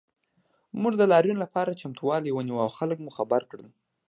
موږ د لاریون لپاره چمتووالی ونیو او خلک مو خبر کړل